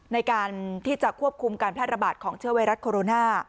ในการที่จะควบคุมการแพร่ระบาดของเชื้อไวรัสโคโรนา